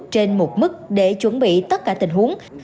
trên một mức để chuẩn bị tất cả tình huống